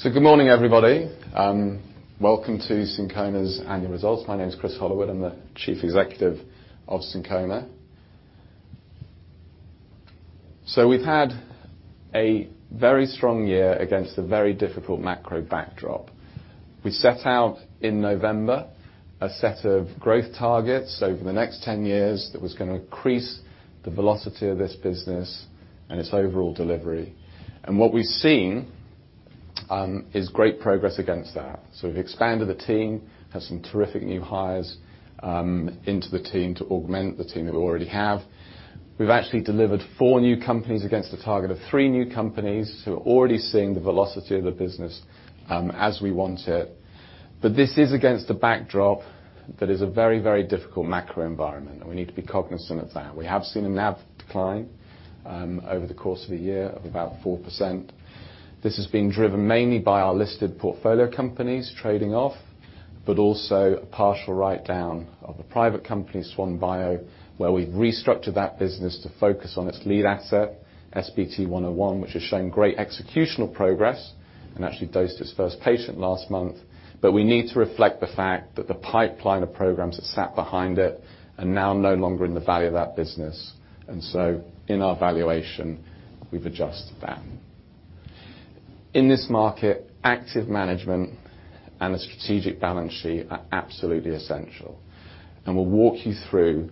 Good morning, everybody. Welcome to Syncona's annual results. My name is Chris Hollowood. I'm the Chief Executive of Syncona. We've had a very strong year against a very difficult macro backdrop. We set out in November, a set of growth targets over the next 10 years that was gonna increase the velocity of this business and its overall delivery. What we've seen, is great progress against that. We've expanded the team, have some terrific new hires, into the team to augment the team that we already have. We've actually delivered four new companies against a target of three new companies, we're already seeing the velocity of the business, as we want it. This is against a backdrop that is a very, very difficult macro environment, and we need to be cognizant of that. We have seen a NAV decline over the course of a year of about 4%. This has been driven mainly by our listed portfolio companies trading off, also a partial write-down of a private company, SwanBio, where we've restructured that business to focus on its lead asset, SBT101, which has shown great executional progress and actually dosed its first patient last month. We need to reflect the fact that the pipeline of programs that sat behind it are now no longer in the value of that business. In our valuation, we've adjusted that. In this market, active management and a strategic balance sheet are absolutely essential, and we'll walk you through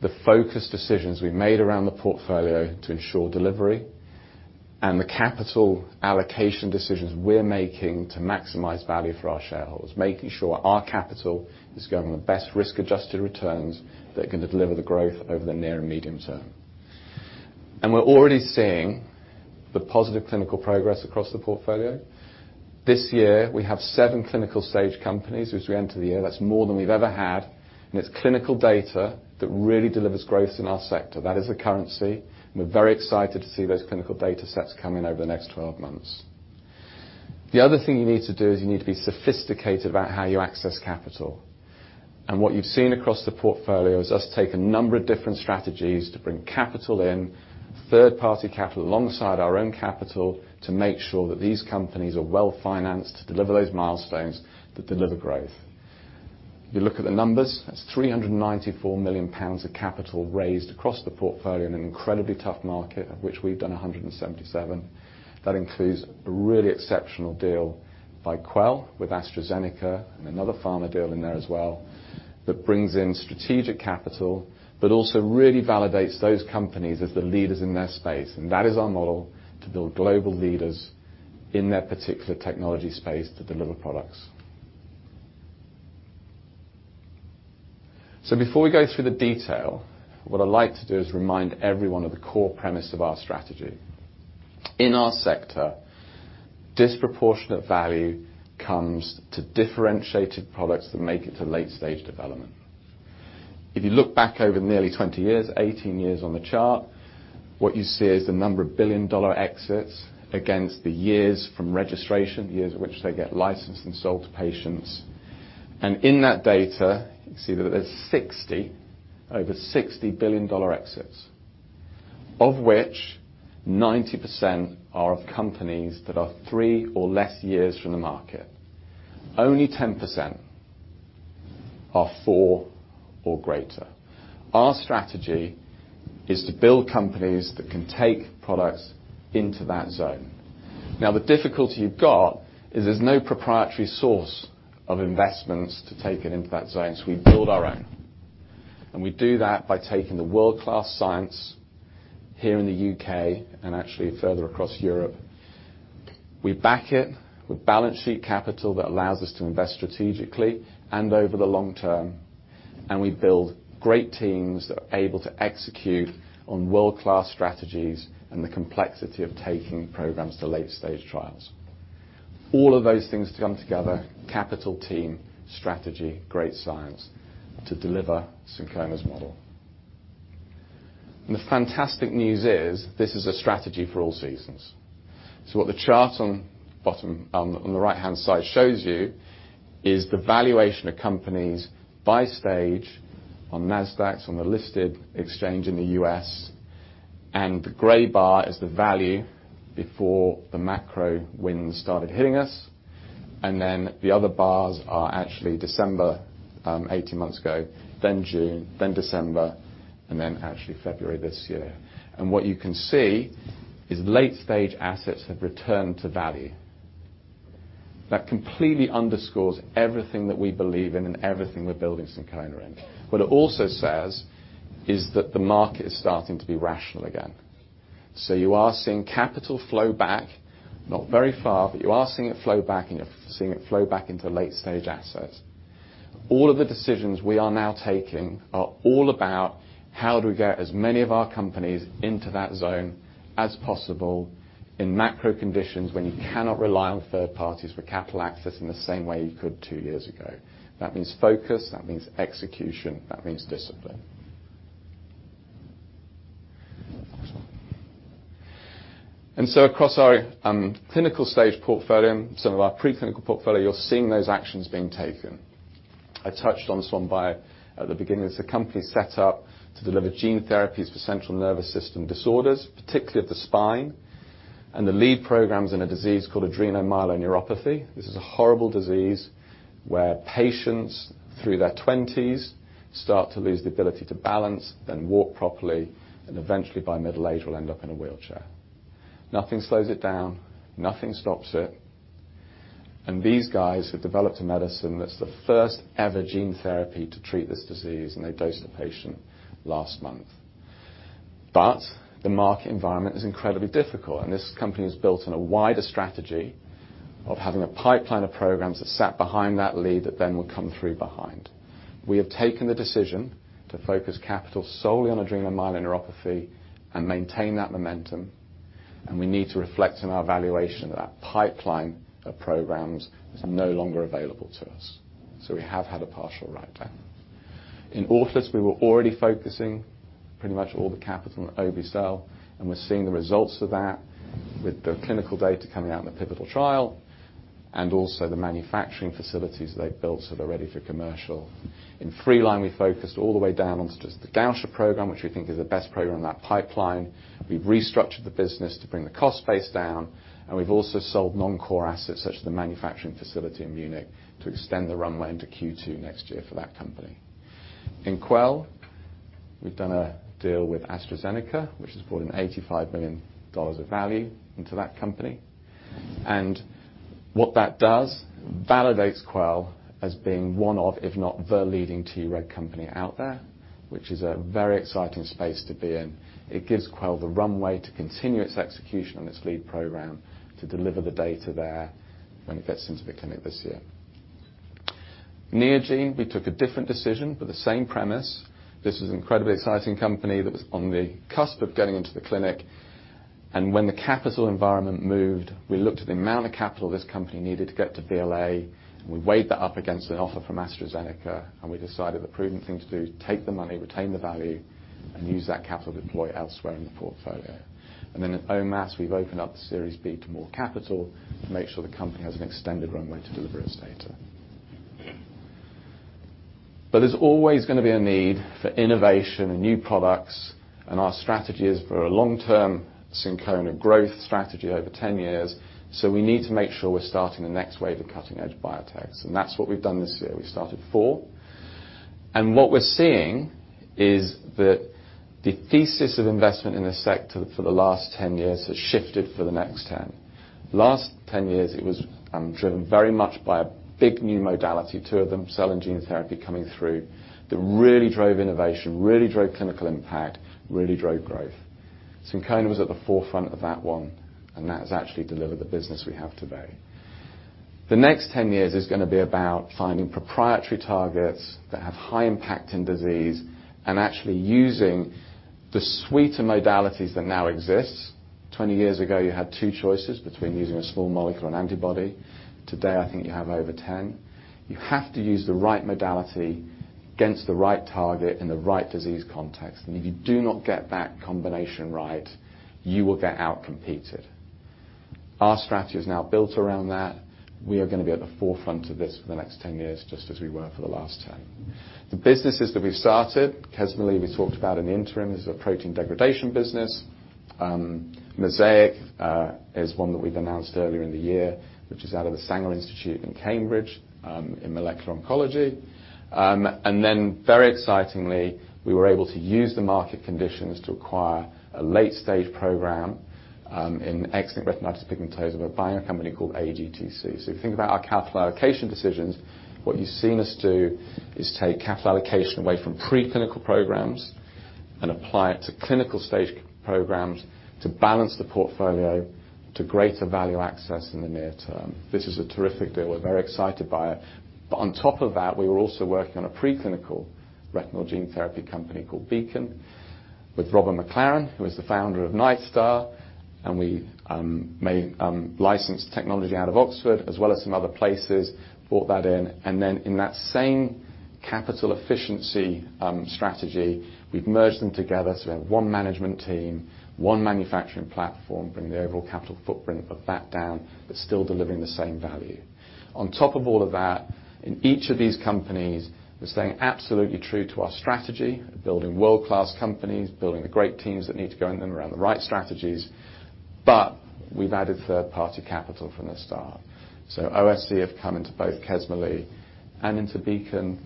the focused decisions we've made around the portfolio to ensure delivery, and the capital allocation decisions we're making to maximize value for our shareholders, making sure our capital is going on the best risk-adjusted returns that are going to deliver the growth over the near and medium term. We're already seeing the positive clinical progress across the portfolio. This year, we have seven clinical stage companies. As we enter the year, that's more than we've ever had, and it's clinical data that really delivers growth in our sector. That is the currency, and we're very excited to see those clinical data sets come in over the next 12 months. The other thing you need to do is you need to be sophisticated about how you access capital. What you've seen across the portfolio is us take a number of different strategies to bring capital in, third-party capital, alongside our own capital, to make sure that these companies are well-financed to deliver those milestones that deliver growth. You look at the numbers, that's 394 million pounds of capital raised across the portfolio in an incredibly tough market, of which we've done 177 million. That includes a really exceptional deal by Quell with AstraZeneca and another pharma deal in there as well, that brings in strategic capital, but also really validates those companies as the leaders in their space. That is our model to build global leaders in their particular technology space to deliver products. Before we go through the detail, what I'd like to do is remind everyone of the core premise of our strategy. In our sector, disproportionate value comes to differentiated products that make it to late-stage development. If you look back over nearly 20 years, 18 years on the chart, what you see is the number of billion-dollar exits against the years from registration, the years in which they get licensed and sold to patients. In that data, you can see that there's over 60 billion-dollar exits, of which 90% are of companies that are three or less years from the market. Only 10% are 4 or greater. Our strategy is to build companies that can take products into that zone. Now, the difficulty you've got is there's no proprietary source of investments to take it into that zone, we build our own. We do that by taking the world-class science here in the U.K. and actually further across Europe. We back it with balance sheet capital that allows us to invest strategically and over the long term, and we build great teams that are able to execute on world-class strategies and the complexity of taking programs to late-stage trials. All of those things to come together, capital, team, strategy, great science, to deliver Syncona's model. The fantastic news is, this is a strategy for all seasons. What the chart on bottom on the right-hand side shows you is the valuation of companies by stage on Nasdaq, on the listed exchange in the U.S., and the gray bar is the value before the macro winds started hitting us, and then the other bars are actually December, 18 months ago, then June, then December, and then actually February this year. What you can see is late-stage assets have returned to value. That completely underscores everything that we believe in and everything we're building Syncona in. What it also says is that the market is starting to be rational again. You are seeing capital flow back, not very far, but you are seeing it flow back, and you're seeing it flow back into late-stage assets. All of the decisions we are now taking are all about how do we get as many of our companies into that zone as possible in macro conditions, when you cannot rely on third parties for capital access in the same way you could two years ago. That means focus, that means execution, that means discipline. Across our clinical-stage portfolio, some of our preclinical portfolio, you're seeing those actions being taken. I touched on SwanBio at the beginning. It's a company set up to deliver gene therapies for central nervous system disorders, particularly of the spine, the lead program is in a disease called adrenomyeloneuropathy. This is a horrible disease where patients through their twenties start to lose the ability to balance, then walk properly, and eventually, by middle age, will end up in a wheelchair. Nothing slows it down, nothing stops it, these guys have developed a medicine that's the first-ever gene therapy to treat this disease, they dosed a patient last month. The market environment is incredibly difficult, this company is built on a wider strategy of having a pipeline of programs that sat behind that lead that then will come through behind. We have taken the decision to focus capital solely on adrenomyeloneuropathy and maintain that momentum. We need to reflect in our valuation that that pipeline of programs is no longer available to us. We have had a partial write-down. In Autolus, we were already focusing pretty much all the capital on obe-cel. We're seeing the results of that with the clinical data coming out in the pivotal trial and also the manufacturing facilities they've built. They're ready for commercial. In Freeline, we focused all the way down onto just the Gaucher program, which we think is the best program in that pipeline. We've restructured the business to bring the cost base down. We've also sold non-core assets, such as the manufacturing facility in Munich, to extend the runway into Q2 next year for that company. In Quell, we've done a deal with AstraZeneca, which has brought in $85 million of value into that company. What that does, validates Quell as being one of, if not the leading TREG company out there, which is a very exciting space to be in. It gives Quell the runway to continue its execution on its lead program to deliver the data there when it gets into the clinic this year. Neogene, we took a different decision, but the same premise. This is an incredibly exciting company that was on the cusp of getting into the clinic. When the capital environment moved, we looked at the amount of capital this company needed to get to BLA. We weighed that up against an offer from AstraZeneca. We decided the prudent thing to do, take the money, retain the value, and use that capital to deploy elsewhere in the portfolio. At OMass, we've opened up the Series B to more capital to make sure the company has an extended runway to deliver its data. There's always going to be a need for innovation and new products. Our strategy is for a long-term Syncona growth strategy over 10 years. We need to make sure we're starting the next wave of cutting-edge biotechs. That's what we've done this year. We started four, and what we're seeing is that the thesis of investment in this sector for the last 10 years has shifted for the next 10. Last 10 years, it was driven very much by a big new modality, two of them, cell and gene therapy, coming through, that really drove innovation, really drove clinical impact, really drove growth. Syncona was at the forefront of that one, and that has actually delivered the business we have today. The next 10 years is going to be about finding proprietary targets that have high impact in disease and actually using the suite of modalities that now exists. 20 years ago, you had two choices between using a small molecule and antibody. Today, I think you have over 10. You have to use the right modality against the right target in the right disease context. If you do not get that combination right, you will get outcompeted. Our strategy is now built around that. We are going to be at the forefront of this for the next 10 years, just as we were for the last 10. The businesses that we've started, Kesmalea, we talked about in the interim, is a protein degradation business. Mosaic is one that we've announced earlier in the year, which is out of the Sanger Institute in Cambridge, in molecular oncology. Very excitingly, we were able to use the market conditions to acquire a late-stage program in X-linked retinitis pigmentosa. We're buying a company called AGTC. If you think about our capital allocation decisions, what you've seen us do is take capital allocation away from preclinical programs and apply it to clinical-stage programs to balance the portfolio to greater value access in the near term. This is a terrific deal. We're very excited by it. On top of that, we were also working on a preclinical retinal gene therapy company called Beacon with Robert MacLaren, who is the founder of Nightstar, and we made licensed technology out of Oxford as well as some other places, brought that in, and then in that same capital efficiency strategy, we've merged them together. We have one management team, one manufacturing platform, bringing the overall capital footprint of that down, but still delivering the same value. On top of all of that, in each of these companies, we're staying absolutely true to our strategy of building world-class companies, building the great teams that need to go in them around the right strategies, but we've added third-party capital from the start. OSC have come into both Kesmalea and into Beacon.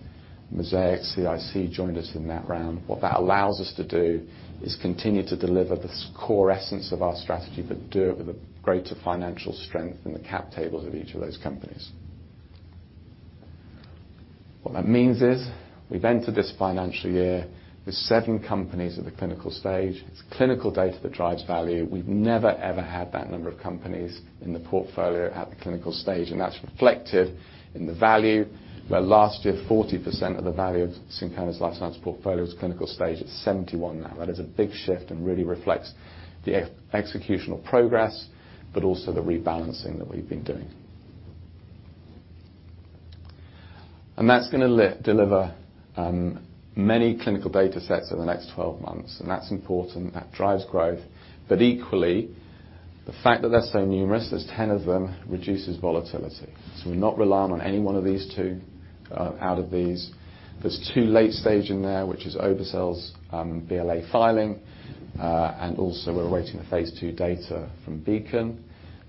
Mosaic, CIC joined us in that round. What that allows us to do is continue to deliver this core essence of our strategy, but do it with a greater financial strength in the cap tables of each of those companies. What that means is, we've entered this financial year with seven companies at the clinical stage. It's clinical data that drives value. We've never, ever had that number of companies in the portfolio at the clinical stage, and that's reflected in the value. Where last year, 40% of the value of Syncona's life science portfolio was clinical stage, it's 71 now. That is a big shift and really reflects the executional progress, but also the rebalancing that we've been doing. That's going to deliver many clinical data sets over the next 12 months, and that's important. That drives growth. Equally. The fact that they're so numerous, there's 10 of them, reduces volatility. We're not relying on any one of these two out of these. There's two late stage in there, which is obe-cel's BLA filing, and also we're awaiting the phase II data from Beacon,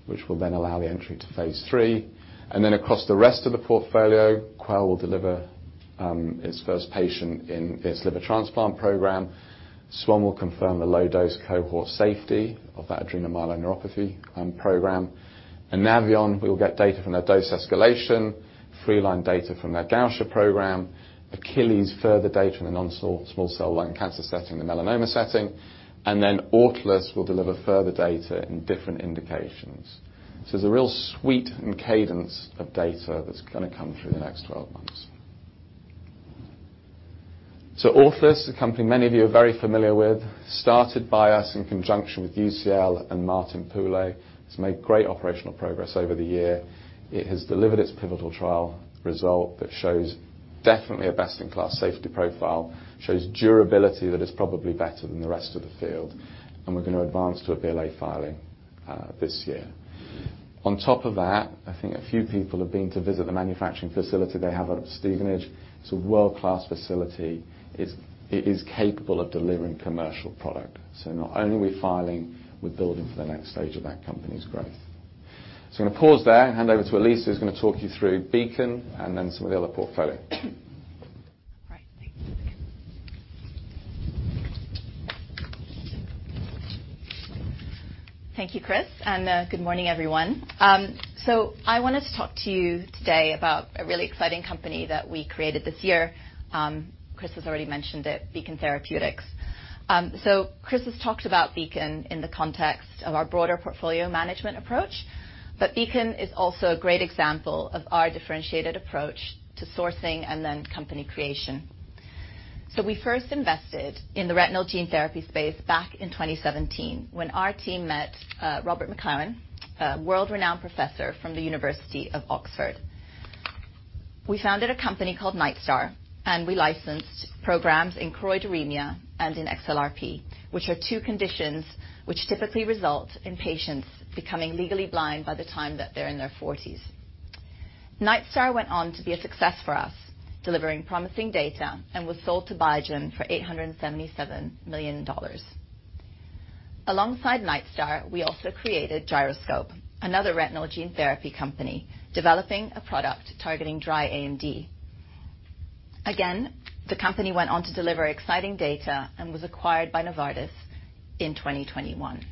which will then allow the entry to phase III. Then across the rest of the portfolio, Quell will deliver its first patient in its liver transplant program. Swan will confirm the low-dose cohort safety of that adrenomyeloneuropathy program. Anaveon, we will get data from their dose escalation, Freeline data from their Gaucher program, Achilles further data in the non-small cell lung cancer setting, the melanoma setting, Autolus will deliver further data in different indications. There's a real suite and cadence of data that's gonna come through the next 12 months. Autolus, a company many of you are very familiar with, started by us in conjunction with UCL and Martin Pule, it's made great operational progress over the year. It has delivered its pivotal trial result that shows definitely a best-in-class safety profile, shows durability that is probably better than the rest of the field, and we're going to advance to a BLA filing this year. On top of that, I think a few people have been to visit the manufacturing facility they have at Stevenage. It's a world-class facility. It is capable of delivering commercial product. Not only are we filing, we're building for the next stage of that company's growth. I'm going to pause there and hand over to Elisa, who's going to talk you through Beacon and then some of the other portfolio. All right. Thank you. Thank you, Chris, good morning, everyone. I wanted to talk to you today about a really exciting company that we created this year. Chris has already mentioned it, Beacon Therapeutics. Chris has talked about Beacon in the context of our broader portfolio management approach, but Beacon is also a great example of our differentiated approach to sourcing and then company creation. We first invested in the retinal gene therapy space back in 2017, when our team met Robert MacLaren, a world-renowned professor from the University of Oxford. We founded a company called Nightstar, and we licensed programs in choroideremia and in XLRP, which are two conditions which typically result in patients becoming legally blind by the time that they're in their 40s. Nightstar went on to be a success for us, delivering promising data, and was sold to Biogen for $877 million. Alongside Nightstar, we also created Gyroscope, another retinal gene therapy company, developing a product targeting dry AMD. The company went on to deliver exciting data and was acquired by Novartis in 2021.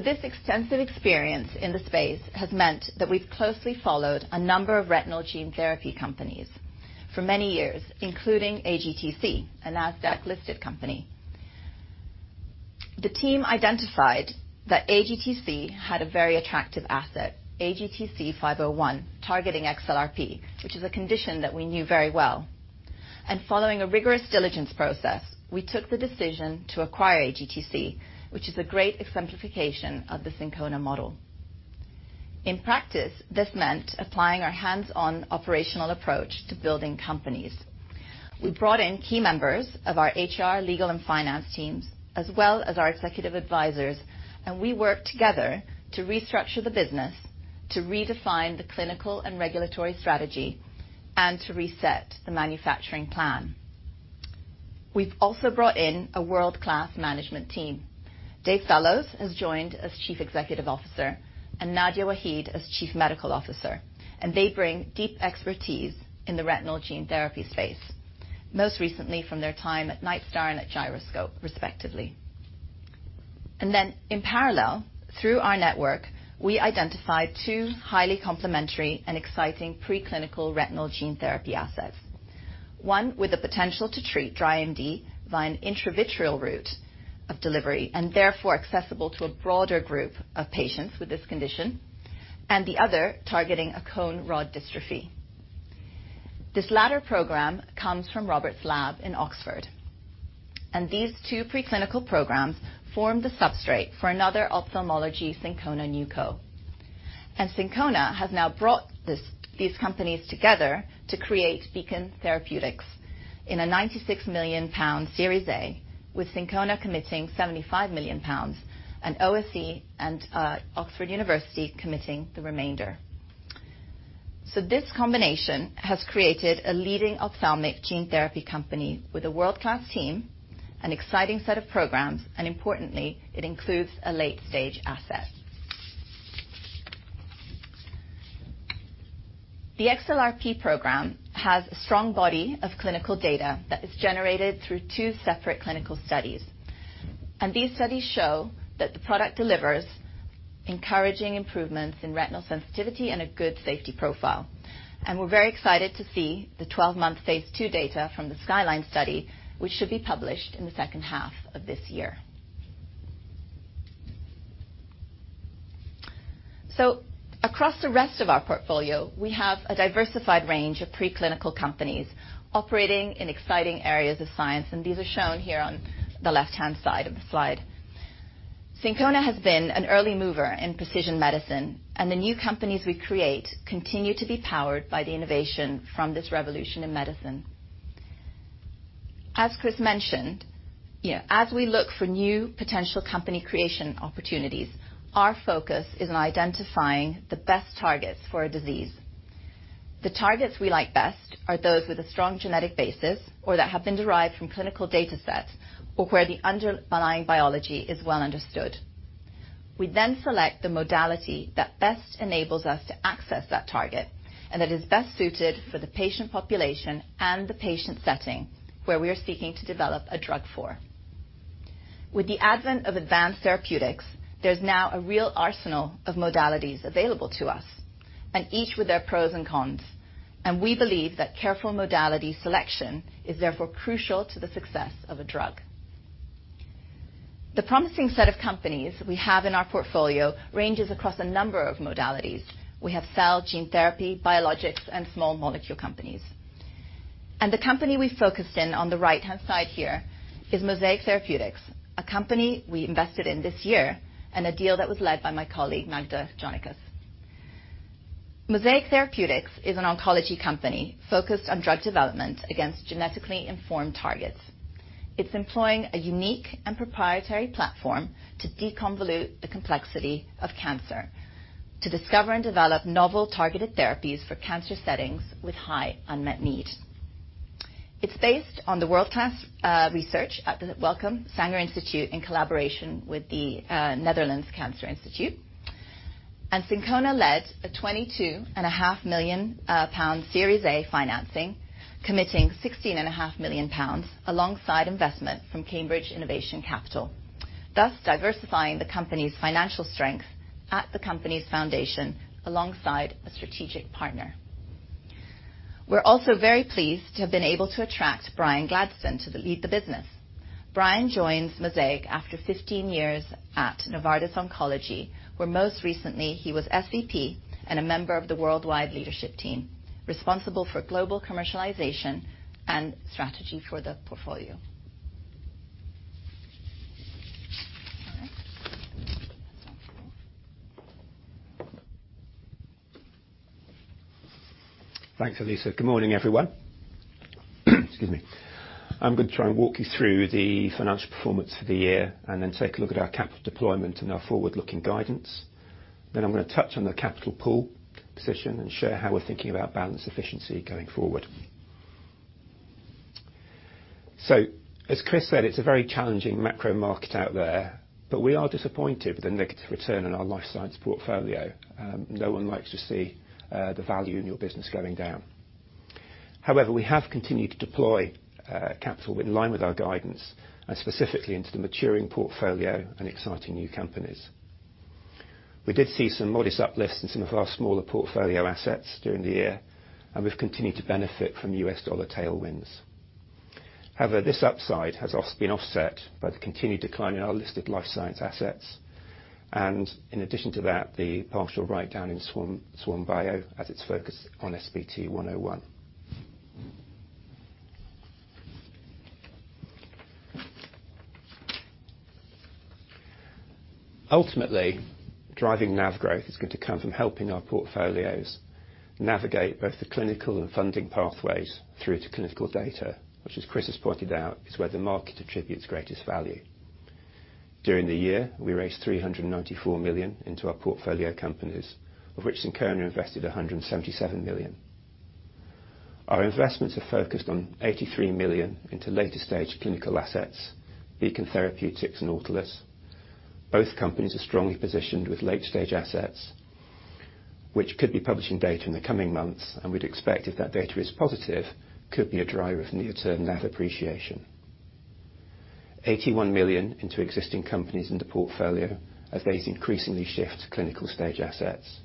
This extensive experience in the space has meant that we've closely followed a number of retinal gene therapy companies for many years, including AGTC, a Nasdaq-listed company. The team identified that AGTC had a very attractive asset, AGTC-501, targeting XLRP, which is a condition that we knew very well. Following a rigorous diligence process, we took the decision to acquire AGTC, which is a great exemplification of the Syncona model. In practice, this meant applying our hands-on operational approach to building companies. We brought in key members of our HR, legal, and finance teams, as well as our executive advisors, and we worked together to restructure the business, to redefine the clinical and regulatory strategy, and to reset the manufacturing plan. We've also brought in a world-class management team. David Fellows has joined as Chief Executive Officer and Nadia Waheed as Chief Medical Officer, and they bring deep expertise in the retinal gene therapy space, most recently from their time at Nightstar and at Gyroscope, respectively. In parallel, through our network, we identified two highly complementary and exciting preclinical retinal gene therapy assets. One with the potential to treat dry AMD via an intravitreal route of delivery, and therefore accessible to a broader group of patients with this condition, and the other targeting a cone-rod dystrophy. This latter program comes from Robert's lab in Oxford, these two preclinical programs form the substrate for another ophthalmology, Syncona NewCo. Syncona has now brought these companies together to create Beacon Therapeutics in a 96 million pound Series A, with Syncona committing 75 million pounds, and OSE and Oxford University committing the remainder. This combination has created a leading ophthalmic gene therapy company with a world-class team, an exciting set of programs, and importantly, it includes a late-stage asset. The XLRP program has a strong body of clinical data that is generated through two separate clinical studies. These studies show that the product delivers encouraging improvements in retinal sensitivity and a good safety profile. We're very excited to see the 12-month phase II data from the SKYLINE study, which should be published in the second half of this year. Across the rest of our portfolio, we have a diversified range of preclinical companies operating in exciting areas of science, and these are shown here on the left-hand side of the slide. Syncona has been an early mover in precision medicine, and the new companies we create continue to be powered by the innovation from this revolution in medicine. As Chris mentioned, you know, as we look for new potential company creation opportunities, our focus is on identifying the best targets for a disease. The targets we like best are those with a strong genetic basis or that have been derived from clinical data sets, or where the underlying biology is well understood. We select the modality that best enables us to access that target, and that is best suited for the patient population and the patient setting where we are seeking to develop a drug for. With the advent of advanced therapeutics, there's now a real arsenal of modalities available to us, and each with their pros and cons, and we believe that careful modality selection is therefore crucial to the success of a drug. The promising set of companies we have in our portfolio ranges across a number of modalities. We have cell gene therapy, biologics, and small molecule companies. The company we focused in on the right-hand side here is Mosaic Therapeutics, a company we invested in this year, and a deal that was led by my colleague, Magda Jonikas. Mosaic Therapeutics is an oncology company focused on drug development against genetically informed targets. It's employing a unique and proprietary platform to deconvolute the complexity of cancer, to discover and develop novel targeted therapies for cancer settings with high unmet need. It's based on the world-class research at the Wellcome Sanger Institute in collaboration with the Netherlands Cancer Institute. Syncona led a twenty-two and a half million pound Series A financing, committing sixteen and a half million pounds alongside investment from Cambridge Innovation Capital, thus diversifying the company's financial strength at the company's foundation alongside a strategic partner. We're also very pleased to have been able to attract Brian Gladstone to lead the business. Brian joins Mosaic after 15 years at Novartis Oncology, where most recently he was SVP and a member of the worldwide leadership team, responsible for global commercialization and strategy for the portfolio. All right. Thanks, Elisa. Good morning, everyone. Excuse me. I'm going to try and walk you through the financial performance for the year, and then take a look at our capital deployment and our forward-looking guidance. I'm going to touch on the capital pool position and share how we're thinking about balance efficiency going forward. As Chris said, it's a very challenging macro market out there, but we are disappointed with the negative return on our life science portfolio. No one likes to see the value in your business going down. However, we have continued to deploy capital in line with our guidance, and specifically into the maturing portfolio and exciting new companies. We did see some modest uplifts in some of our smaller portfolio assets during the year, and we've continued to benefit from U.S. dollar tailwinds. This upside has been offset by the continued decline in our listed life science assets, in addition to that, the partial write-down in SwanBio, as it's focused on SBT101. Ultimately, driving NAV growth is going to come from helping our portfolios navigate both the clinical and funding pathways through to clinical data, which, as Chris has pointed out, is where the market attributes greatest value. During the year, we raised 394 million into our portfolio companies, of which Syncona invested 177 million. Our investments are focused on 83 million into later-stage clinical assets, Beacon Therapeutics and Nautilus. Both companies are strongly positioned with late-stage assets, which could be publishing data in the coming months, we'd expect, if that data is positive, could be a driver of near-term NAV appreciation. 81 million into existing companies in the portfolio as those increasingly shift to clinical-stage assets,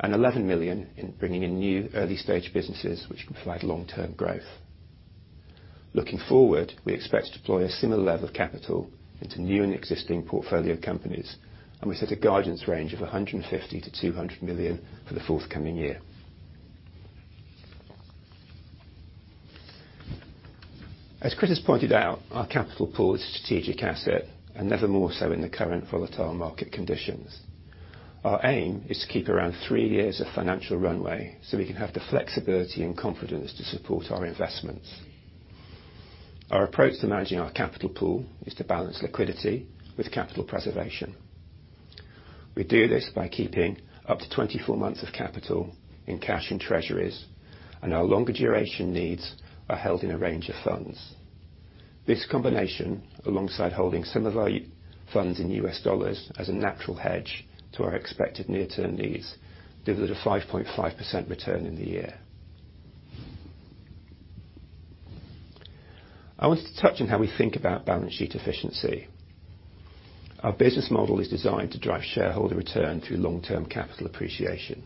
and 11 million in bringing in new early-stage businesses, which can provide long-term growth. Looking forward, we expect to deploy a similar level of capital into new and existing portfolio companies, and we set a guidance range of 150 million-200 million for the forthcoming year. As Chris has pointed out, our capital pool is a strategic asset, and never more so in the current volatile market conditions. Our aim is to keep around three years of financial runway, so we can have the flexibility and confidence to support our investments. Our approach to managing our capital pool is to balance liquidity with capital preservation. We do this by keeping up to 24 months of capital in cash and treasuries. Our longer duration needs are held in a range of funds. This combination, alongside holding some of our funds in U.S. dollars as a natural hedge to our expected near-term needs, delivered a 5.5% return in the year. I wanted to touch on how we think about balance sheet efficiency. Our business model is designed to drive shareholder return through long-term capital appreciation.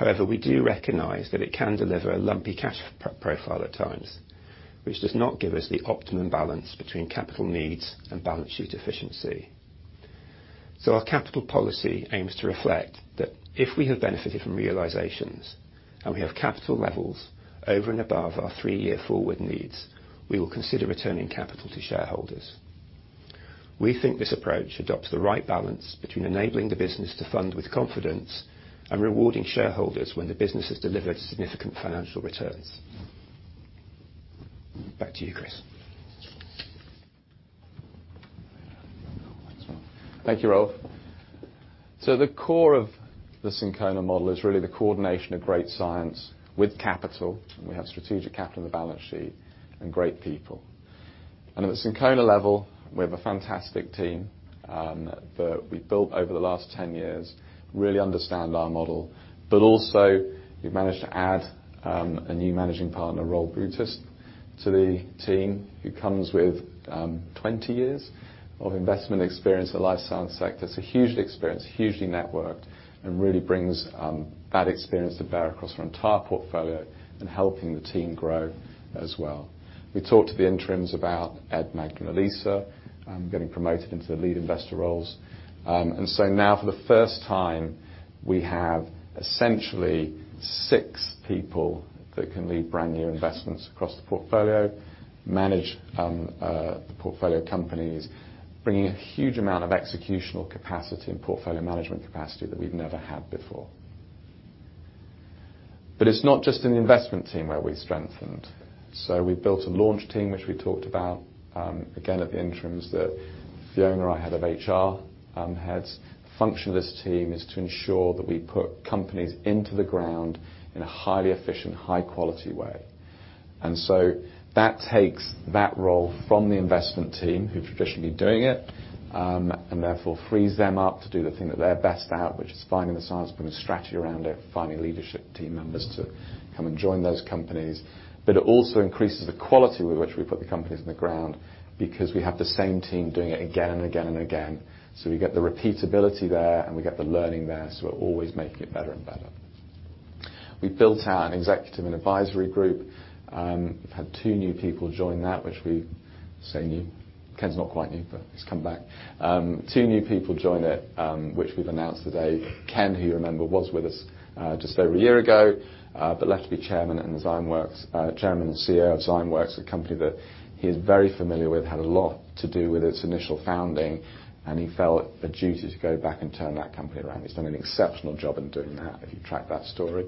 We do recognize that it can deliver a lumpy cash profile at times, which does not give us the optimum balance between capital needs and balance sheet efficiency. Our capital policy aims to reflect that if we have benefited from realizations and we have capital levels over and above our three-year forward needs, we will consider returning capital to shareholders. We think this approach adopts the right balance between enabling the business to fund with confidence and rewarding shareholders when the business has delivered significant financial returns. Back to you, Chris. Thank you, Rolf. The core of the Syncona model is really the coordination of great science with capital, we have strategic capital on the balance sheet, great people. At the Syncona level, we have a fantastic team that we've built over the last 10 years, really understand our model, but also we've managed to add a new Managing Partner, Rolf Bulthuis, to the team, who comes with 20 years of investment experience in the life science sector. Hugely experienced, hugely networked, really brings that experience to bear across our entire portfolio and helping the team grow as well. We talked to the interims about Elisa Petris getting promoted into the lead investor roles. Now for the first time, we have essentially six people that can lead brand-new investments across the portfolio, manage the portfolio companies, bringing a huge amount of executional capacity and portfolio management capacity that we've never had before. It's not just in the investment team where we've strengthened. We've built a launch team, which we talked about again, at the interims, that Fiona, our Head of HR, heads. The function of this team is to ensure that we put companies into the ground in a highly efficient, high-quality way. That takes that role from the investment team, who's traditionally doing it, and therefore frees them up to do the thing that they're best at, which is finding the science, putting a strategy around it, finding leadership team members to come and join those companies. It also increases the quality with which we put the companies in the ground because we have the same team doing it again and again and again. We get the repeatability there, and we get the learning there, so we're always making it better and better. We built out an executive and advisory group, we've had two new people join that, which we say new. Ken's not quite new, but he's come back. Two new people join it, which we've announced today. Ken, who you remember, was with us just over a year ago but left to be chairman in Zymeworks, Chairman and CEO of Zymeworks, a company that he is very familiar with, had a lot to do with its initial founding, and he felt a duty to go back and turn that company around. He's done an exceptional job in doing that, if you track that story.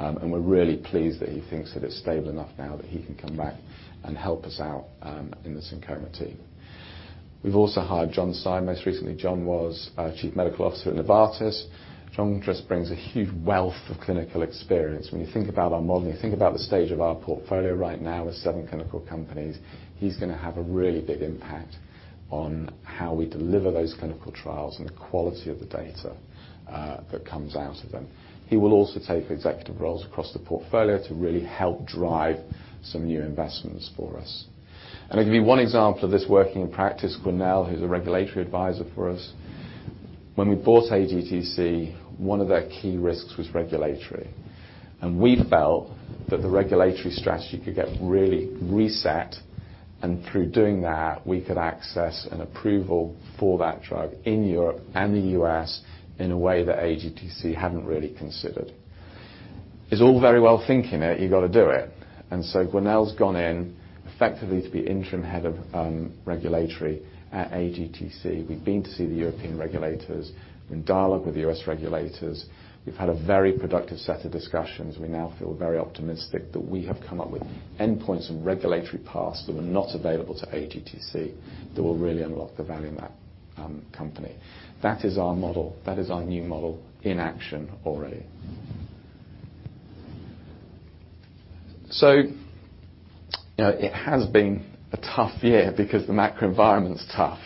We're really pleased that he thinks that it's stable enough now that he can come back and help us out in the Syncona team. We've also hired John Tsai, most recently. John was Chief Medical Officer at Novartis. John just brings a huge wealth of clinical experience. When you think about our model, when you think about the stage of our portfolio right now with seven clinical companies, he's going to have a really big impact on how we deliver those clinical trials and the quality of the data that comes out of them. He will also take executive roles across the portfolio to really help drive some new investments for us. I'll give you one example of this working in practice. Gwenaëlle, who's a regulatory advisor for us, when we bought AGTC, one of their key risks was regulatory. We felt that the regulatory strategy could get really reset. Through doing that, we could access an approval for that drug in Europe and the U.S. in a way that AGTC hadn't really considered. It's all very well thinking it, you got to do it. Gwenaëlle's gone in effectively to be interim head of regulatory at AGTC. We've been to see the European regulators, in dialogue with the U.S. regulators. We've had a very productive set of discussions. We now feel very optimistic that we have come up with endpoints and regulatory paths that were not available to AGTC that will really unlock the value in that company. That is our model. That is our new model in action already. You know, it has been a tough year because the macro environment is tough,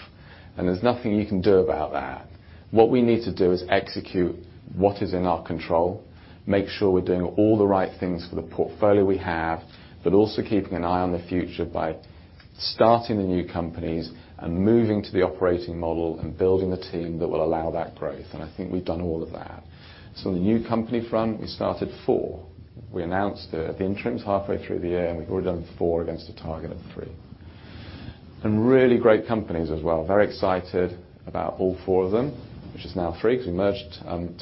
and there's nothing you can do about that. What we need to do is execute what is in our control, make sure we're doing all the right things for the portfolio we have, but also keeping an eye on the future by starting the new companies and moving to the operating model and building the team that will allow that growth. I think we've done all of that. On the new company front, we started four. We announced it at the interims halfway through the year, and we've already done four against a target of three. Really great companies as well. Very excited about all four of them, which is now three, because we merged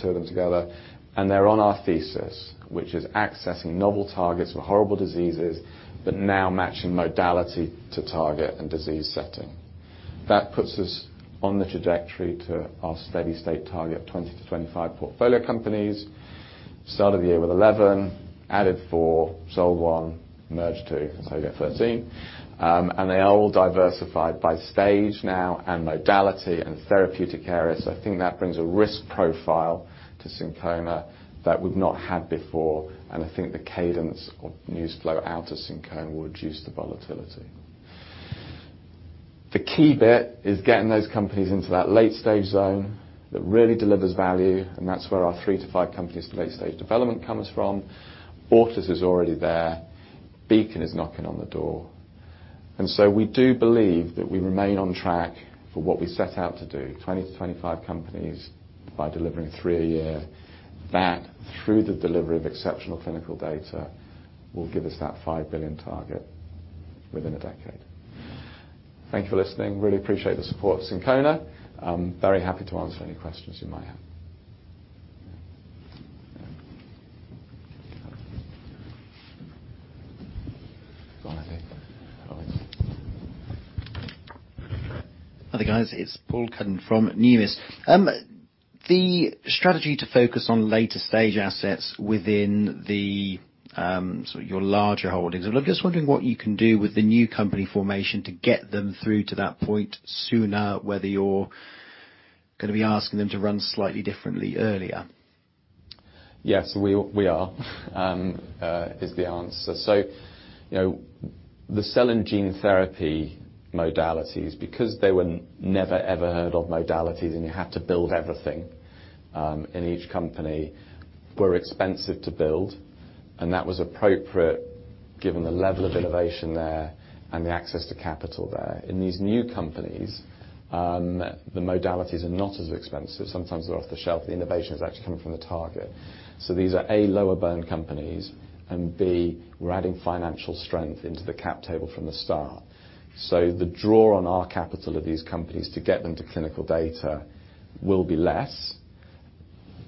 two of them together. They're on our thesis, which is accessing novel targets for horrible diseases, now matching modality to target and disease setting. That puts us on the trajectory to our steady state target of 20-25 portfolio companies. Started the year with 11, added four, sold one, merged two. You get 13. They are all diversified by stage now and modality and therapeutic areas. I think that brings a risk profile to Syncona that we've not had before. I think the cadence of news flow out of Syncona will reduce the volatility. The key bit is getting those companies into that late-stage zone that really delivers value. That's where our three to five companies to late-stage development comes from. Ortles is already there. Beacon is knocking on the door. We do believe that we remain on track for what we set out to do, 20-25 companies by delivering three a year. That, through the delivery of exceptional clinical data, will give us that 5 billion target within a decade. Thank you for listening. Really appreciate the support of Syncona. I'm very happy to answer any questions you might have. Hi, guys. It's Paul Cuddon from Numis. The strategy to focus on later-stage assets within the sort of your larger holdings. I'm just wondering what you can do with the new company formation to get them through to that point sooner, whether you're gonna be asking them to run slightly differently earlier? Yes, we are is the answer. You know, the cell and gene therapy modalities, because they were never, ever heard of modalities, and you had to build everything in each company, were expensive to build, and that was appropriate given the level of innovation there and the access to capital there. In these new companies, the modalities are not as expensive. Sometimes they're off the shelf. The innovation is actually coming from the target. These are, A, lower-burn companies, and B, we're adding financial strength into the cap table from the start. The draw on our capital of these companies to get them to clinical data will be less.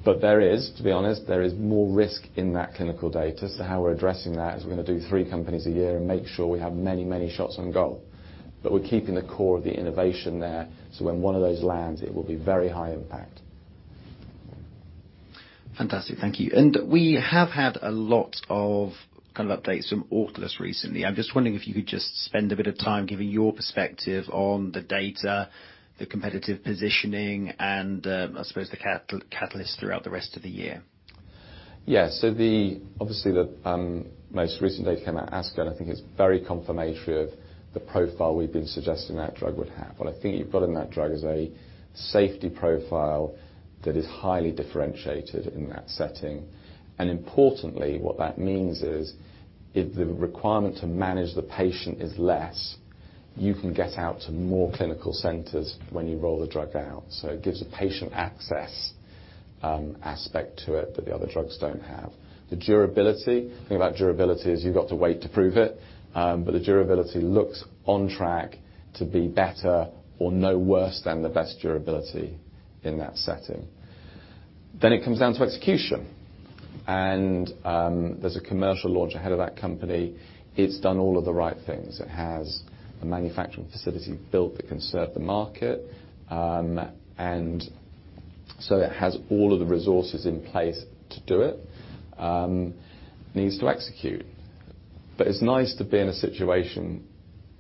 To be honest, there is more risk in that clinical data. How we're addressing that, is we're going to do three companies a year and make sure we have many, many shots on goal. We're keeping the core of the innovation there, so when one of those lands, it will be very high impact. Fantastic. Thank you. We have had a lot of, kind of, updates from Autolus recently. I'm just wondering if you could just spend a bit of time giving your perspective on the data, the competitive positioning, and, I suppose the catalysts throughout the rest of the year? Obviously, the most recent data came out, ASGCT, I think it's very confirmatory of the profile we've been suggesting that drug would have. What I think you've got in that drug is a safety profile that is highly differentiated in that setting. Importantly, what that means is, if the requirement to manage the patient is less, you can get out to more clinical centers when you roll the drug out. It gives a patient access aspect to it that the other drugs don't have. The durability. The thing about durability is you've got to wait to prove it, the durability looks on track to be better or no worse than the best durability in that setting. It comes down to execution, there's a commercial launch ahead of that company. It's done all of the right things. It has a manufacturing facility built that can serve the market. It has all of the resources in place to do it, needs to execute. It's nice to be in a situation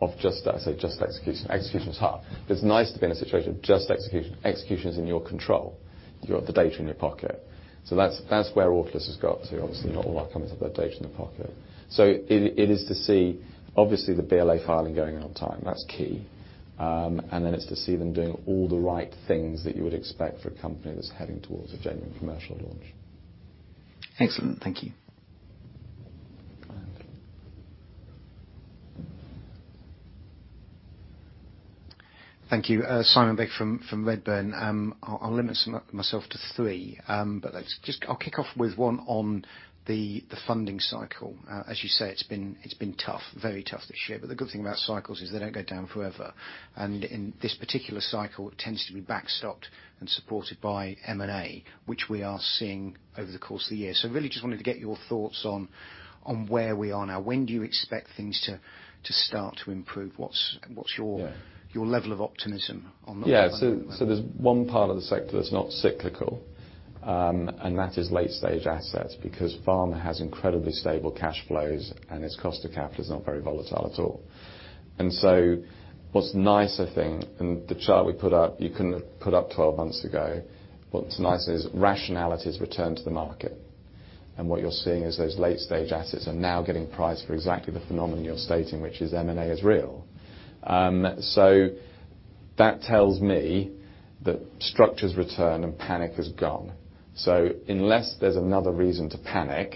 of just that. I say just execution. Execution is hard, but it's nice to be in a situation of just execution. Execution is in your control. You have the data in your pocket. That's, that's where Autolus has got to. Obviously, not all our companies have that data in their pocket. It is to see, obviously, the BLA filing going on time. That's key. Then it's to see them doing all the right things that you would expect for a company that's heading towards a genuine commercial launch. Excellent. Thank you. Go ahead. Thank you. Simon Baker from Redburn. I'll limit myself to three. I'll kick off with one on the funding cycle. As you say, it's been tough, very tough this year, but the good thing about cycles is they don't go down forever. In this particular cycle, it tends to be backstopped and supported by M&A, which we are seeing over the course of the year. Really just wanted to get your thoughts on where we are now. When do you expect things to start to improve? What's your. Yeah Your level of optimism on that? Yeah. There's one part of the sector that's not cyclical, that is late-stage assets, because pharma has incredibly stable cash flows, and its cost to capital is not very volatile at all. What's nice, I think, and the chart we put up, you couldn't have put up 12 months ago. What's nice is rationality has returned to the market, and what you're seeing is those late-stage assets are now getting priced for exactly the phenomenon you're stating, which is M&A is real. That tells me that structure's returned and panic is gone. Unless there's another reason to panic,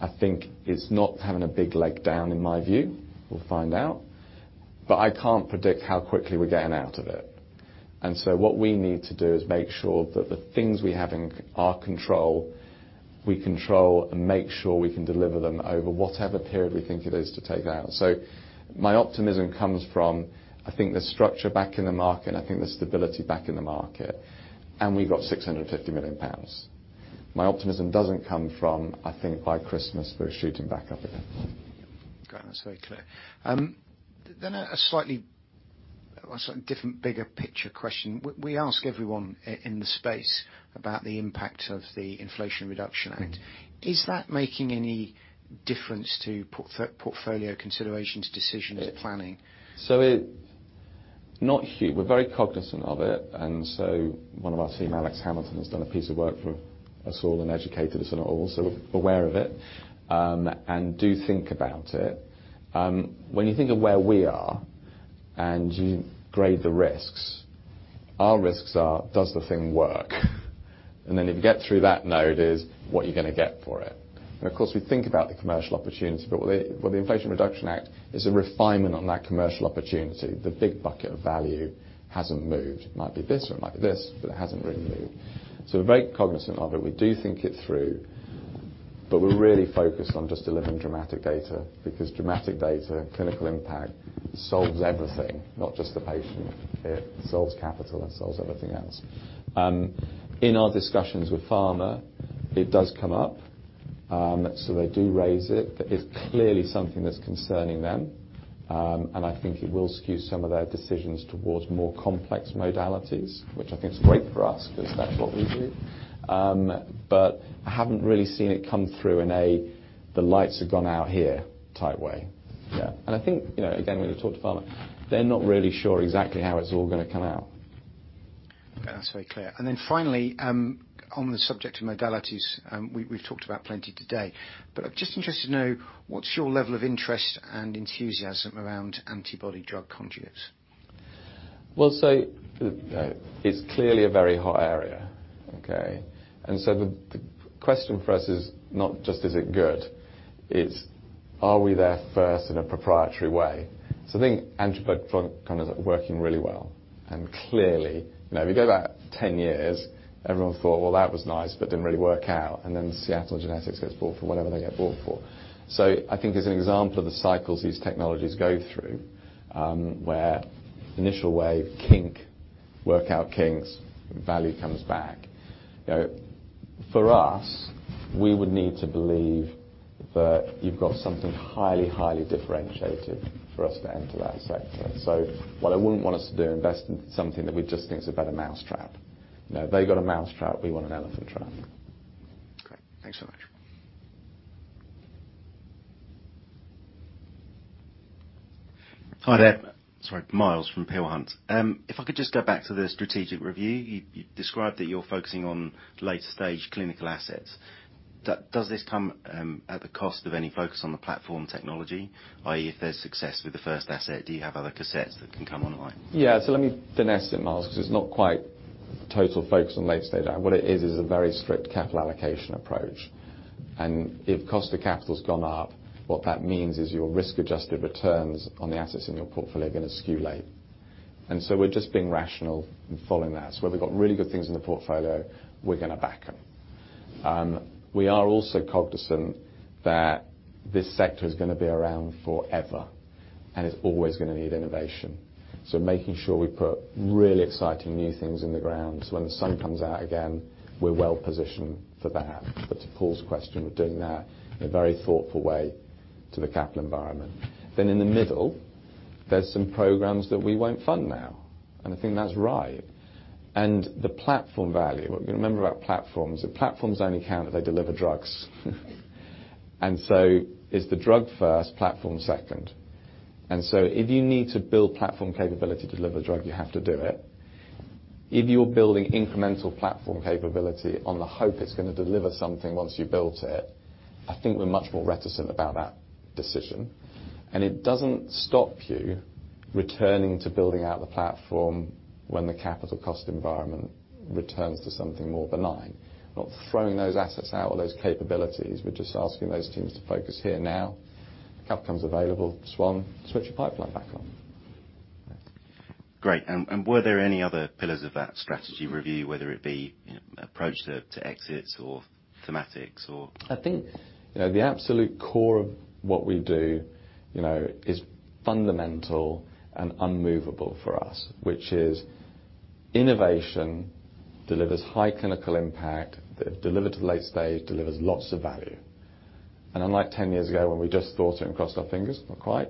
I think it's not having a big leg down, in my view. We'll find out. I can't predict how quickly we're getting out of it. What we need to do is make sure that the things we have in our control, we control and make sure we can deliver them over whatever period we think it is to take out. My optimism comes from, I think, there's structure back in the market, and I think there's stability back in the market, and we've got 650 million pounds. My optimism doesn't come from, I think by Christmas we're shooting back up again. Great. That's very clear. A slightly different, bigger picture question. We ask everyone in the space about the impact of the Inflation Reduction Act. Mm-hmm. Is that making any difference to portfolio considerations, decisions, planning? Not huge. We're very cognizant of it. One of our team, Alex Hamilton, has done a piece of work for us all and educated us on it all. We're aware of it, and do think about it. When you think of where we are and you grade the risks, our risks are: Does the thing work? Then if you get through that node, is what you're gonna get for it? Of course, we think about the commercial opportunity, but with the Inflation Reduction Act, it's a refinement on that commercial opportunity. The big bucket of value hasn't moved. It might be this or it might be this, but it hasn't really moved. We're very cognizant of it. We do think it through. We're really focused on just delivering dramatic data, because dramatic data, clinical impact, solves everything, not just the patient. It solves capital. It solves everything else. In our discussions with pharma. It does come up. They do raise it. It's clearly something that's concerning them. I think it will skew some of their decisions towards more complex modalities, which I think is great for us, because that's what we do. I haven't really seen it come through in a, "The lights have gone out here," type way. Yeah. I think, you know, again, when you talk to pharma, they're not really sure exactly how it's all gonna come out. That's very clear. Finally, on the subject of modalities, we've talked about plenty today, but I'm just interested to know: What's your level of interest and enthusiasm around antibody drug conjugates? Well, it's clearly a very hot area, okay? The question for us is not just, is it good? It's, are we there first in a proprietary way? I think antibody drug conjugates are working really well. Clearly, you know, if you go back 10 years, everyone thought, "Well, that was nice, but didn't really work out." Seattle Genetics gets bought for whatever they get bought for. I think as an example of the cycles these technologies go through, where initial wave kink, work out kinks, value comes back. You know, for us, we would need to believe that you've got something highly differentiated for us to enter that sector. What I wouldn't want us to do, invest in something that we just think is a better mousetrap. You know, they got a mousetrap, we want an elephant trap. Great. Thanks so much. Hi there, sorry, Miles from Peel Hunt. If I could just go back to the strategic review. You described that you're focusing on later-stage clinical assets. Does this come at the cost of any focus on the platform technology, i.e., if there's success with the first asset, do you have other cassettes that can come online? Yeah. Let me finesse it, Miles, because it's not quite total focus on late stage. What it is a very strict capital allocation approach. If cost of capital has gone up, what that means is your risk-adjusted returns on the assets in your portfolio are going to skew late. We're just being rational in following that. Where we've got really good things in the portfolio, we're going to back them. We are also cognizant that this sector is going to be around forever, and it's always going to need innovation. Making sure we put really exciting new things in the ground, so when the sun comes out again, we're well positioned for that. To Paul's question, we're doing that in a very thoughtful way to the capital environment. In the middle, there's some programs that we won't fund now, and I think that's right. The platform value. What we remember about platforms, is platforms only count if they deliver drugs. It's the drug first, platform second. If you need to build platform capability to deliver the drug, you have to do it. If you're building incremental platform capability on the hope it's going to deliver something once you've built it, I think we're much more reticent about that decision. It doesn't stop you returning to building out the platform when the capital cost environment returns to something more benign. We're not throwing those assets out or those capabilities, we're just asking those teams to focus here now. Capital comes available, swan, switch the pipeline back on. Great. Were there any other pillars of that strategy review, whether it be, you know, approach to exits or thematics or? I think, you know, the absolute core of what we do, you know, is fundamental and unmovable for us, which is innovation delivers high clinical impact, delivered to the late stage, delivers lots of value. Unlike 10 years ago, when we just thought it and crossed our fingers, not quite,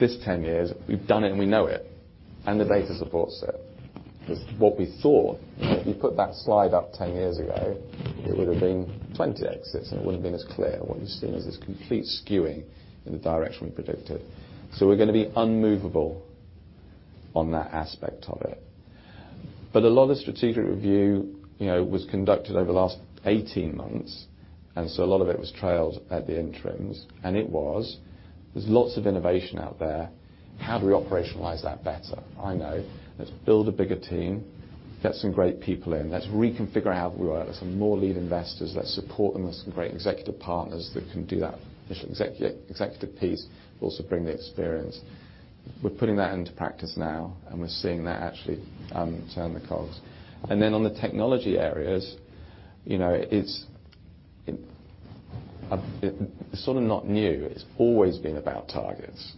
this 10 years, we've done it, and we know it, and the data supports it. What we thought, if we put that slide up 10 years ago, it would have been 20 exits, and it wouldn't have been as clear. What you're seeing is this complete skewing in the direction we predicted. We're going to be unmovable on that aspect of it. A lot of strategic review, you know, was conducted over the last 18 months. A lot of it was trailed at the interims, and it was. There's lots of innovation out there. How do we operationalize that better? I know. Let's build a bigger team, get some great people in. Let's reconfigure how we work. Let's have more lead investors. Let's support them with some great executive partners that can do that initial executive piece, but also bring the experience. We're putting that into practice now, and we're seeing that actually turn the cogs. On the technology areas, you know, it's sort of not new. It's always been about targets.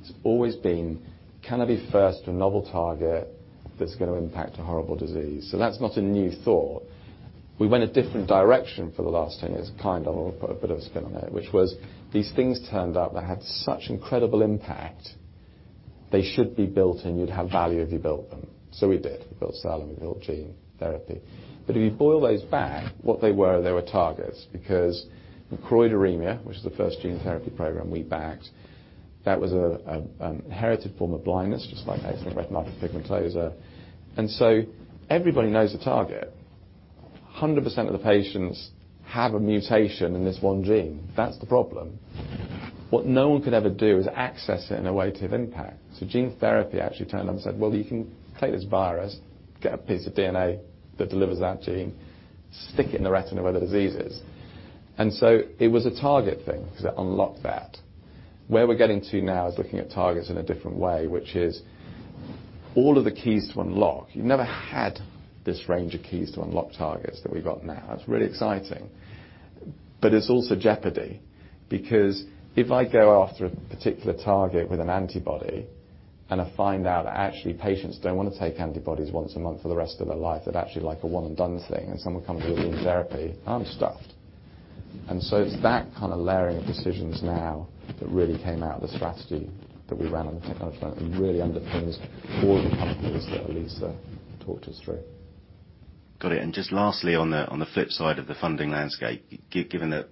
It's always been, can I be first to a novel target that's going to impact a horrible disease? That's not a new thought. We went a different direction for the last 10 years, kind of, put a bit of a spin on it, which was, these things turned out that had such incredible impact, they should be built, and you'd have value if you built them. We did. We built cell, and we built gene therapy. If you boil those back, what they were, they were targets, because in choroideremia, which is the first gene therapy program we backed, that was an inherited form of blindness, just like retinitis pigmentosa. Everybody knows the target. 100% of the patients have a mutation in this one gene. That's the problem. What no one could ever do is access it in a way to have impact. Gene therapy actually turned up and said, "Well, you can take this virus, get a piece of DNA that delivers that gene, stick it in the retina where the disease is." It was a target thing, because it unlocked that. Where we're getting to now is looking at targets in a different way, which is all of the keys to unlock. You never had this range of keys to unlock targets that we've got now. That's really exciting. It's also jeopardy, because if I go after a particular target with an antibody, and I find out that actually patients don't want to take antibodies once a month for the rest of their life, they'd actually like a one and done thing, and someone comes with a new therapy, I'm stuffed. It's that kind of layering of decisions now that really came out of the strategy that we ran on the technology front, and really underpins all the companies that Elisa talked us through. Got it. Just lastly, on the flip side of the funding landscape, given that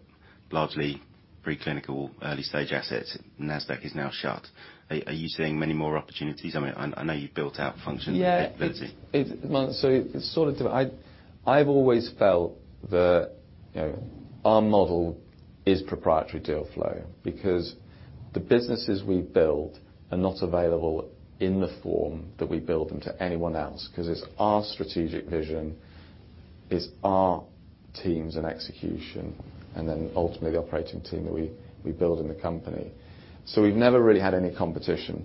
largely preclinical early-stage assets, Nasdaq is now shut, are you seeing many more opportunities? I mean, I know you've built out function and ability. Yeah, I've always felt that, you know, our model is proprietary deal flow, because the businesses we build are not available in the form that we build them to anyone else, 'cause it's our strategic vision, it's our teams and execution, and then ultimately, the operating team that we build in the company. We've never really had any competition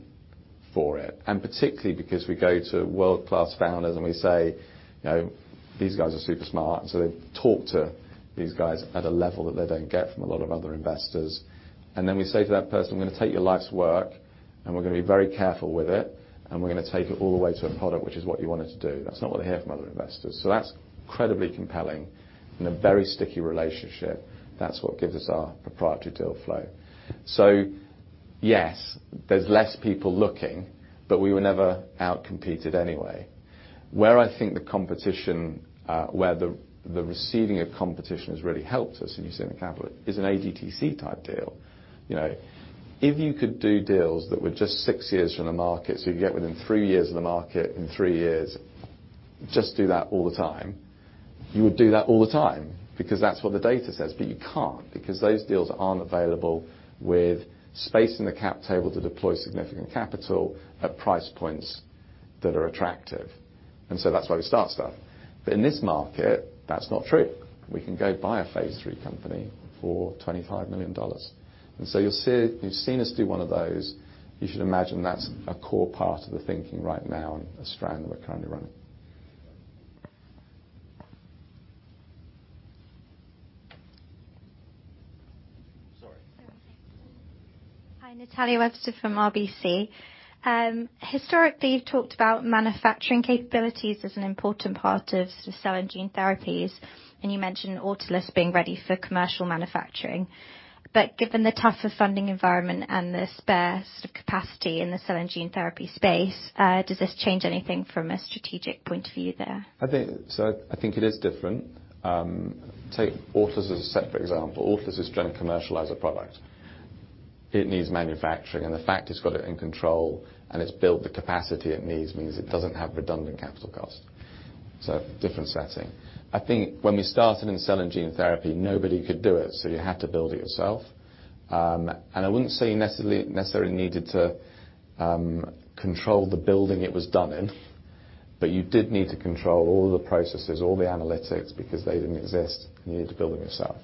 for it, and particularly because we go to world-class founders and we say, "You know, these guys are super smart," They talk to these guys at a level that they don't get from a lot of other investors. Then we say to that person, "We're gonna take your life's work, and we're gonna be very careful with it, and we're gonna take it all the way to a product, which is what you wanted to do." That's not what they hear from other investors, so that's incredibly compelling and a very sticky relationship. That's what gives us our proprietary deal flow. Yes, there's less people looking, but we were never out-competed anyway. Where I think the competition, where the receiving of competition has really helped us, and you see in the capital, is an AGTC-type deal. You know, if you could do deals that were just 6 years from the market, so you get within 3 years of the market in 3 years, just do that all the time, you would do that all the time, because that's what the data says. You can't, because those deals aren't available with space in the cap table to deploy significant capital at price points that are attractive, and so that's why we start stuff. In this market, that's not true. We can go buy a phase III company for $25 million. You've seen us do one of those. You should imagine that's a core part of the thinking right now and a strand that we're currently running. Hi, Natalia Webster from RBC. Historically, you've talked about manufacturing capabilities as an important part of cell and gene therapies, and you mentioned Autolus being ready for commercial manufacturing. Given the tougher funding environment and the spare sort of capacity in the cell and gene therapy space, does this change anything from a strategic point of view there? I think it is different. Take Autolus as a separate example. Autolus is trying to commercialize a product. It needs manufacturing, and the fact it's got it in control and it's built the capacity it needs, means it doesn't have redundant capital costs, so different setting. I think when we started in cell and gene therapy, nobody could do it, so you had to build it yourself. I wouldn't say you necessarily needed to control the building it was done in, but you did need to control all the processes, all the analytics, because they didn't exist, and you had to build them yourself.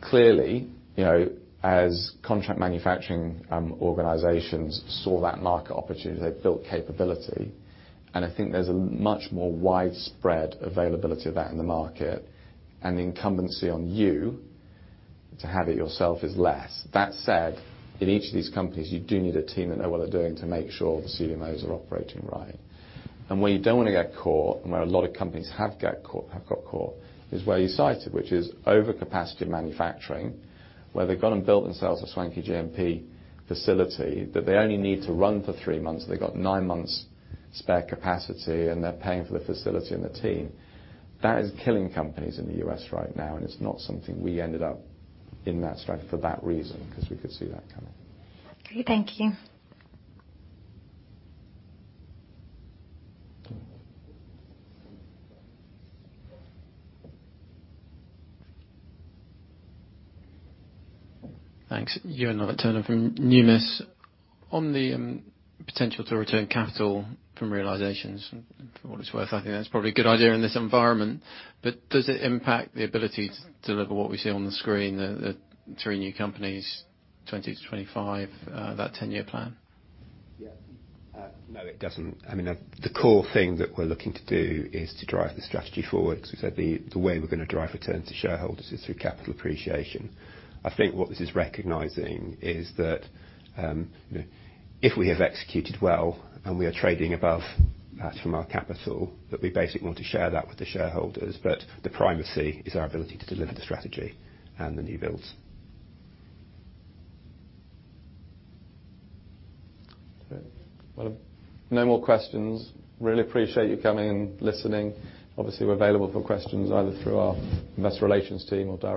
Clearly, you know, as contract manufacturing organizations saw that market opportunity, they built capability, and I think there's a much more widespread availability of that in the market. The incumbency on you to have it yourself is less. That said, in each of these companies, you do need a team that know what they're doing to make sure the CDMOs are operating right. Where you don't want to get caught, and where a lot of companies have got caught, is where you cited, which is overcapacity manufacturing, where they've gone and built themselves a swanky GMP facility that they only need to run for three months. They've got nine months spare capacity, and they're paying for the facility and the team. That is killing companies in the U.S. right now, and it's not something we ended up in that strategy for that reason, 'cause we could see that coming. Great. Thank you. Thanks. Paul Cuddon from Numis. On the potential to return capital from realizations, for what it's worth, I think that's probably a good idea in this environment. Does it impact the ability to deliver what we see on the screen, the three new companies, 2020-2025, that 10-year plan? Yeah. No, it doesn't. I mean, the core thing that we're looking to do is to drive the strategy forward. The way we're going to drive return to shareholders is through capital appreciation. I think what this is recognizing is that, if we have executed well and we are trading above that from our capital, that we basically want to share that with the shareholders. The primacy is our ability to deliver the strategy and the new builds. Well, no more questions. Really appreciate you coming and listening. Obviously, we're available for questions, either through our investor relations team or directly.